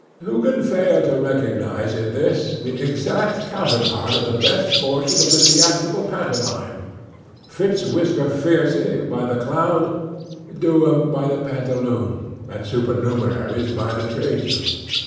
Who can fail to recognize in this, the exact counterpart of the best portion of a theatrical pantomime—Fitz Whisker Fiercy by the clown; Do'em by the pantaloon; and supernumeraries by the tradesmen?